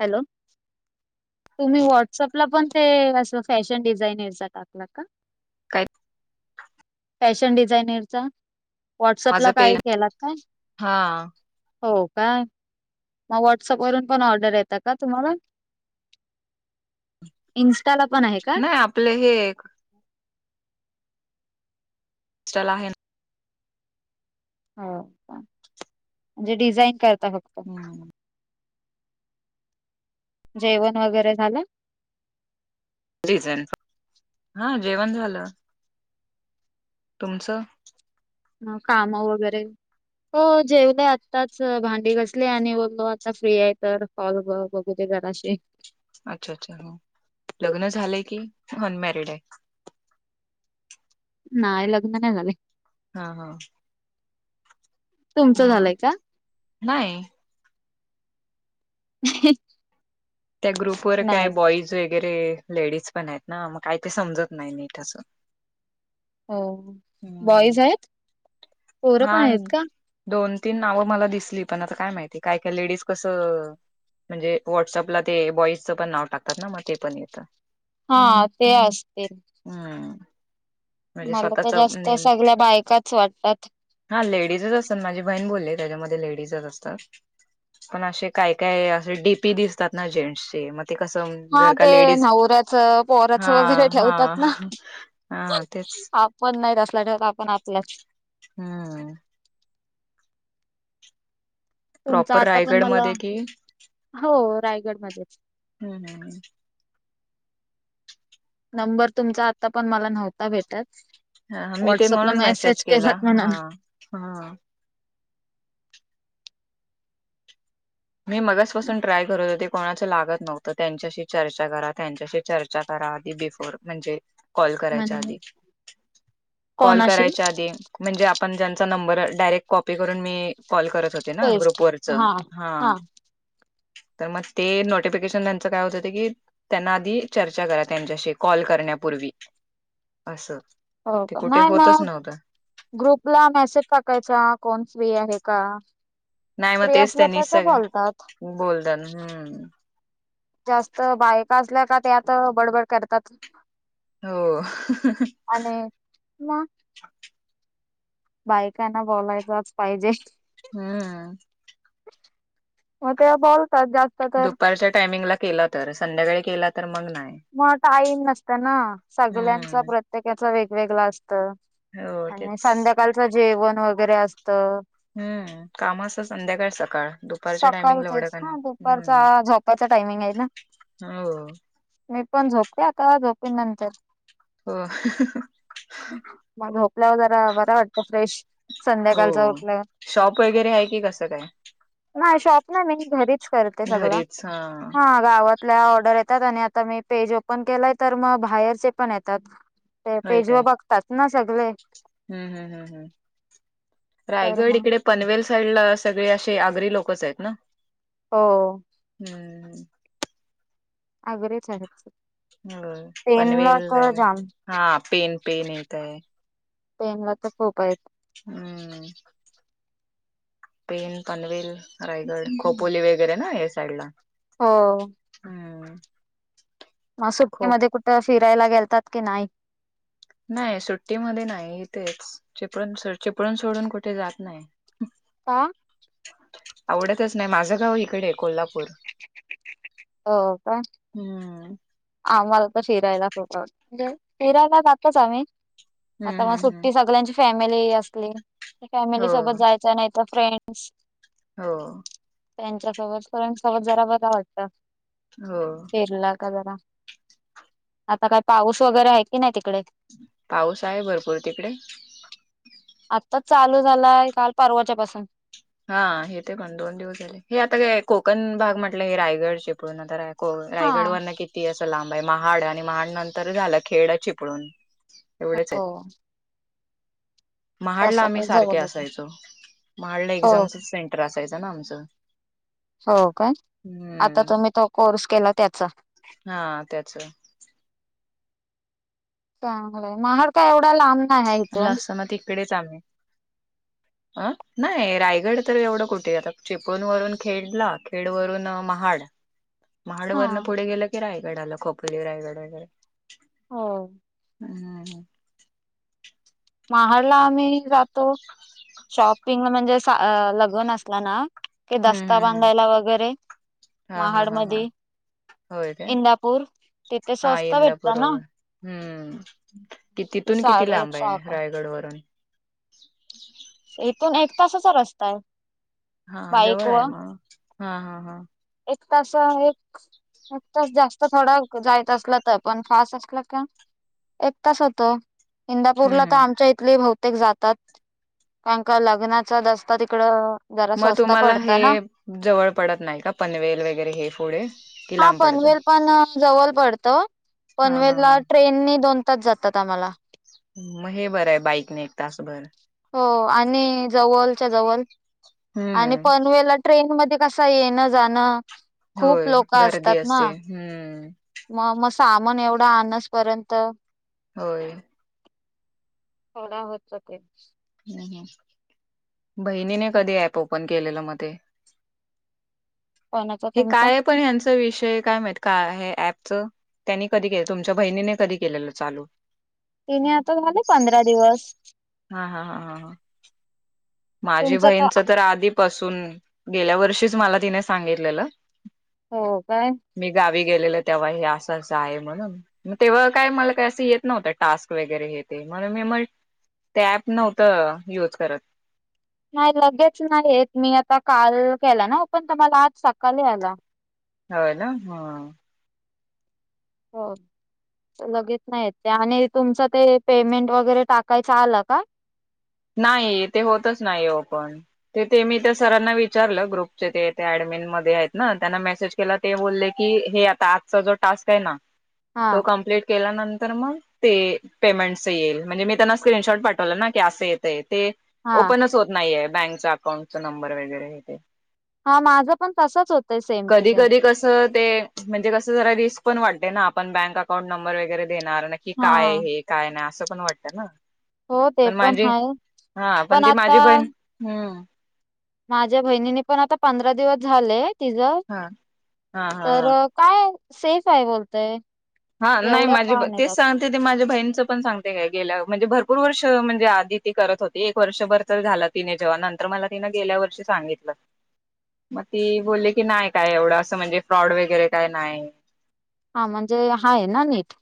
Hello! तुम्ही व्हॉट्सअपला पण ते अस फॅशन डिझाईनरचा टाकला का? काय फॅशन डिझायनरचा, व्हॉट्सअपला माझं काय पेज केलात का हा हो. का मग व्हॉट्सअप वरून पण ऑर्डर येत का तुम्हाला? इन नाही आपले हे एक स्टाल आहे ना. हो म्हणजे डिझाईन करता फक्त? ना जेवण वगैरे झालं? हा जेवण झालं. तुमचं? ह काम वगैरे? हो जेवलं आत्ताच भांडी घासली, आणि बोललो आता फ्री आहे तर कॉल करून बघूदे! जराशे. अच्छा अच्छा लग्न झालंय की अनमॅरिड आहे? नाहीय लग्न नाही झाल. हा हा. तुमचं मग, झालंय का? नाही. [inaudible] त्या ग्रुप वर काय नाही बॉईज वगैरे लेडीज पण आहेत ना, मग काही ते समजत नाही नीट अजून. हो बॉईज आहेत? पोरं हा पण आहेत का? दोन तीन नावं मला दिसली पण आता काय माहिती काय काय लेडीज कसं म्हणजे व्हॉट्सअपला ते बॉईजचं पण नाव टाकतात ना मग ते पण येतं. हा ते असतील. हम्म म्हणजे मला तर स्वतःच जास्त नेम सगळ्या बायकाच वाटतात. हा लेडीजच अस माझी बहीण बोलली त्याच्यामध्ये लेडीज असतात. पण असे काय काय असे डीपी दिसतात ना जेंट्स चे म ते कसं हा जर का ते लेडीज, नवऱ्याचं हा पोराचं वगैरे ठेवतात हा ना. हा. तेच आपण नाहीत असला ठेवत आपण आपलाच. हम्म. तुमच प्रॉपर आता पण रायगड मला, मध्ये कि हो रायगडमध्येध्येच. हम्म हम् हम्. नंबर तुमचा आता पण मला नव्हता भेटत हा मी ते व्हॉट्सअपला म्हणून मेसेज केला केलात म्हणून हा हा. मी मगच पासून ट्राय करत होते, कोणाच लागत नव्हतं त्यांच्याशी चर्चा करा त्यांच्याशी चर्चा करा. बिफोर म्हणजे कॉल करायच्या म्हणजे आधी, कॉल कोणाशी करायच्या आधी म्हणजे पण ज्यांचा नंबर डायरेक्ट कॉपी करून मी कॉल करत होते ना ग्रुपवररच हा [inaudible] तर मग ते नोटिफिकेशन त्यांच काय होत की त्यांना आधी चर्चा करा त्यांच्याशी कॉल कर अस हो का नाही मग ग्रुपला मेसेज टाकायचा कोण व आहे का नाही मग फ्री तेच असलं त्यांनी तर ते सगं बोलतात. बोलताना हम्म जास्त बायका असल्या का त्यात बडबड करतात हो आणि म बायकांना बोलायचच पाहिजे हम्म म ते बॉ दुपारच्या टायमिंगला केला तर संध्याकाळी केला तर मग नाही मग टाईम नसत ना सगळ्यांचा हम्म प्रत्येकाचा वेगवेगळ असत हो आणि तेच संध्याकाळचं जेवण वगैरे असत हम्म काम अस संध्याकाळचात सकाळचेच हा दुपारचा झोपाचा टायमिंग आहे ना हो मी पण झोपते आता झोपे नंतर हो मग होकला हदार वरा वाटत फ्रेश संध्याकाळच हो उठलं शॉप वगैरे आहे की कसं काय नाही शॉप नाही नाही घरीच करते सगळं हा गावात आपल्या ऑर्डर येतात आणि आता मी पेज ओपन केलाय तर मग बाहेरचे पण येतात ते पेजवा बघतात ना सगळे हम् हम्मम्् तर रायगड मग इकडे पनवेल साईड ला सगळे असे आगरी लोकच आहेत ना हो हम् अगरेच आहेतच हो पनवेल हा पेन पेन य काय पेन ला तर खूप आहेत हम्म पेन पनवेल रायगड हम्म. खोपोली वगैरे ना या साईड ला हो हम्म मग खो सुटकीमध्ये कुठं फिरायला गेलतात की नाही नाही सुट्टीमध्ये नाही इथेच चिपळून चिपळून सोडून कुठे जात नाही ह आवडतच नाही माझं गाव इकडे कोल्हापूर हो का हम्म आ मला तर फिरायला खत आवडत फिरायला जातोच आम्ही आता हम्म मग हम्म हम्म सुट्टी सगळ्यांची फॅमिली असली फॅमिली हो सोबत जायच्या नाही फ्रेंस हो त्यांच्यासोबत पणसोबत जरा बर वाटतं हो फिरला जरा आता काय पाऊस वगैरे आहे की नाही तिकडे पाऊस आहे भरपूर तिकडे आत्ताच चालू झालाय काल परवाच्या पाासून हा हे ते पण दोन दिवस झाले हे आता कोकण भाग म्हटलं रायगड चिपळून आता राय, हा रायगड वन किती असं लांब आहे महाड आणि महाड नंतर झालं खेड चिपळून एवढेच हो आहेत. तस महाडला आम्ही काही सारखे जवळच आहे. असायचो महाडला, हो एक्झामच सेंटर असायच ना आमच, हो काय आता तुम्ही तो कोर्स केला त्याचा, हा त्याच, चांगलंय महाड का एवढा लांब नाही आहे ल इथून म तिकडेच आम्ही अं, नाही रायगड तर एवढं कुठे आता चिपळूणवरून खेडला खेडवरून महाड, महाड हा वरन पुढे गेलं की रायगड आला खोपोली रायगड वगैरे, हो हम् ह महाड ला आम्ही जातो. शॉपिंग म्हणजे लग्न असला, ना ते हम्म दस्ता हम्म हम्म. बांधायला वगैरे महाड मध्ये, हो का इंदापूर तिथे हा स्वस्त इंद भेटत ना पुरळ हम्म, कि ते तिथून किती साडे लांब एकशे आहे आठ रायगड वरून इथून एक तासाचा रस्ता आहे. हा बाईक जवळ व आहे मला हा हा हा, एक तसा एक, नच जास्त थोडं जायच असलं तर पण फास्ट असलं का, एक तास होतो. हम्म इंदापूरला तर हम् आमच्या इथले भात, प्र्येक जातात कारण का लग्नाचाच असता तिकड, मग तुम्हाला हे जवळ पडत नाही. का पनवेल वगैरे हे पुढे कि हा लांब पडत पनवेल पण जवळ पडतं. हा हा पनवेल हा ला ट्रेन दोन तास जातात आम्हाला. मग हे बरं आहे बाईकने एक तासभर, हो आणि जवळच्या जवळ आणि हम्म पनवेला, ट्रेन मध्ये कसा येणं जाणं, खूप होय लोक असतात गर्दी ना असते हम्म, मग मग सामान एवढं आणस पर्यंत होय थडा होततक, बहिणीने कधी ऍप ओपन केलेलं म ते? कोणाचा हे तुमचा काय पण हचा विषय काय मा का हे प, त्यांनी कधी केल, तुमच्या बहिणी कधी केलेलं चाल? तिने आता झाले पंधरा दिवस हा हा हा ह ह माझी बहीणचं तर आधीपासून, गेल्या वर्षीच मला तिने सांगितलेलं. हो काय मी गावी गेलेल तेव्हा ह्यात, अस अस आहे म्हणून म तेव्हा काय मला का येत नव्हत टास्क वगैरे हे ते म्हणून मी, ते ऍप नव्हतं यूज करत. नाही, लगेच नाही येत. मी आता काल केला ना पण तो मला आज सकाळी आला होय ना, हम. हो लगेच नाही येत. त्यामध्ये तुमचं ते पेमेंट वगैरे टाकायचं आलं का? नाही, ते होतच नाही हो ओपन. ते ते मी त्या सरांना विचारलं ग्रुपचे ते ऍड, मीन मध्ये आहेत ना, त्यांना मेसेज केला ते बोलले की हे आता आजचा जो टास्क आहे ना, हा तो कमप्लीट केला नंत, तर मग ते पेमेंटच येईल, म्हणजे मी त्यांना स्क्रीनशॉट पाठवला ना की असं येतय. ते हा ओपनच होत नाहीये, बँकच अकाउंटचा नंबर वगैरे हे ते हा माझं पण तसच होतंय सेम टू कधी सेम कधी कस ते म्हणजे कस जरा रिस्क पण वाटते. ना आपण बँक अकाउंट नंबर वगैरे देणार नाक्की हा काय हे काय नाही असं पण वाटतं ना. हो ते पण हाये. हा पण ती माझी बहीण हम्म माझ्या बहिणीने पण आता पंधरा दिवस झाले. तिचं हा हा हा तर हा काय सेफ आहे बोलतय. हा नाही एवढं माझी काय बही, नाही तेच त्यात सांगते ते माझ्या बहीणचं पण सांगते काय गेल्या, म्हणजे भर पूर वर्ष म्हणजे आधी ती करत होती एक वर्षभर तर झाला तिने जेव्हा नंतर मला तिनं गेल्या वर्षी सांगितलं. [inaudible] मग ती बोलली की नाही काय एवढं असं म्हणजे फ्रॉड वगैरे काय नाही. हा म्हणजे हाये ना नीट.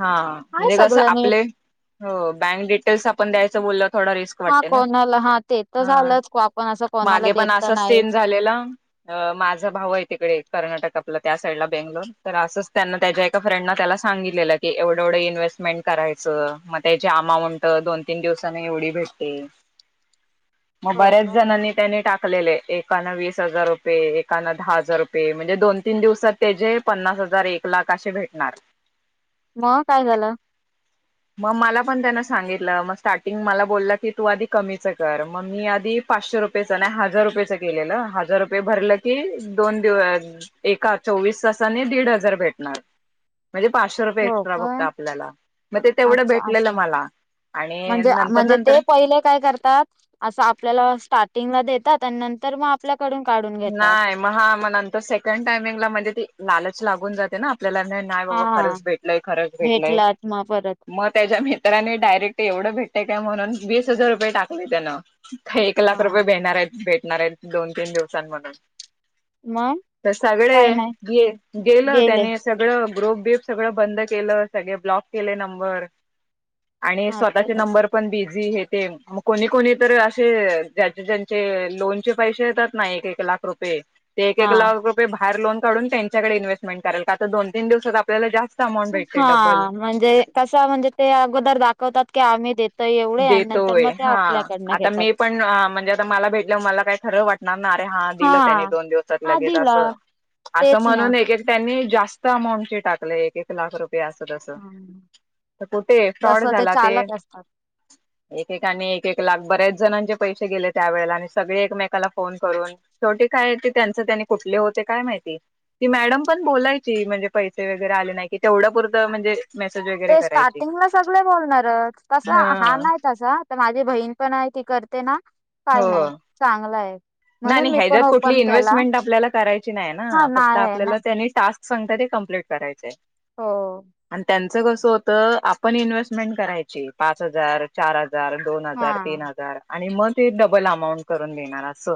हा हाय म्हणजे कस सगळं आपले नीट बँक डिटेल्स आपण द्यायचं बोलल. थोडा रिस्क हा वाटते ना कोणाला हा ते तर ह झालंच आपण असं कोणाला मागे देत पण तर असाच सीन नाहीच झालेला. अ माझा भाऊ आहे तिकडे कर्नाटकात त्या साईडला बेंगलोर तर असंच त्यां त्याच्या एका फ्रेंड त्याला सांगितलेलं. ते एवढं एवढं इन्व्हेस्टमेंट करायचं मग त्याची अमाऊंट दोन तीन दिवसाांनी एवढी भेटते. [inaudible] मग हो बऱ्याच का जणांनी त्यांनी टाकलेले. एकान वीस हजार रुपये एकानं दहा हजार रुपये म्हणजे दोन तीन दिवसात त्याचेे पन्नास हजार एक लाख असे भेटणार. मग काय झालं? मग मला पण त्यान सांगितलं, मग स्टार्टिंग मला बोललं की तू आधी कमीच कर मग मी आधी पाचशे रुपयेचं नाही हजार रुपयेचं केलेलं हजार रुपये भरलं की दोन दिव एकाच चोवीस तासाने दीड हजार भेटणार. [inaudible] म्हणजे पाचशे रुपये हो एक्स्ट्रा फक्त काय आपल्याला, मग ते तेवढं अच्छा भेटलेलं असं मला आणि म्हणजे नंतर म्हणजे नंतर ते पहिले काय करतात अस आपल्याला स्टार्टिंगला. देतात आणि नंतर मग आपल्या नाही मग हा मग नंतर सेकंड टायमिंगला म्हणजे ती लालच लागून जाते ना. आपल्याला नाही बाबा हा खरंच भेटलय खरंच भेटलय. भेटलात मग परत मग त्याच्या मित्राने डायरेक्ट एवढं भेट. काय म्हणून वीस हजार रुपये टाकले त्यान का एक लाख हा रुपये देणार आहेत भेट णार आहेत दोन तीन दिवसांत म्हणून मग तर सगळे काय नाही गेलं गेले त्याने सगळं. ग्रुप बिप सगळं बंद केलं सगळे ब्लॉक केले नंबर. आणि हा स्वतःचे त्यातच नंबर पण बिझी हेत. ते म कोणी कोणी तर असे ज्याचे ज्यांचे लोनचे पैसे येतात. नाही एक एक लाख रुपये ते एक एक हा लाख रुपये. हार लोन काढून त्यांच्याकडे इन्हेस्टमें कराल का तर दोन तीन दिवस आपल्याला जास हां, म्हणजे कस म्हणजे ते अगोदर दाखवतात की आम्ही देत. देतोय हा आता घेतात मी पण म्हणजे आता मला भेटलं मला काही खर वाटणार ना. रे हा दिलं त्यांनी दोन दिवसात हा लगेच अस दिला अस तेच ना म्हणून एक त्यांनी जास्त अमाऊंटचे टाकलंय एक एक लाख रुप अस तस हा कुठे फ्रॉड तसं झाला ते. चालक असतात एकेका नी एक एक लाख बऱ्याच जणांचे पैसे गेले त्यावेेळेला नी सगळे एकमेकाला फोन करून शेवटी काय ते त्यांच त्यांनी कुठले होते काय माहिती. ती मॅडम पण बोलायची म्हणजे पैसे वगैरे आले नाही की तेवढं पुरतं म्हणजे मेसेज वगैरे ते करायची स्टार्टिंगला सगले बोलणारच. कास हा नाही तसा तर माझी बहीण पण आहे ती करते ना. काही नाही हो चांगलं आहे. नाही म्हणून नाही मी पण ह्याच्यात ओपन कुठली केला इन्व्हेस्टमेंट आपल्याला करायची नाही हा ना फक्त नाही आहे ना आपल्याला त्यांनी टा टास्क सांगता ते कमप्लीट करायचे. हो. कस होत आपण इन्व्हेस्टमेंट करायची पाच हजार चार चार, दोन हजार, हा तीन हजार आणि मग ते डबल अमाऊंट करून मिळणार अस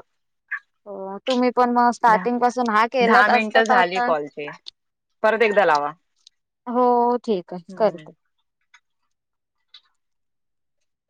हो तुम्ही पण मग दहा स्टार्टिंग पासून हा दहा केलाच असता मिनिटं तर झाली आता कॉलची परत एकदा लावा. हो, ठीक आहे हम्म करते.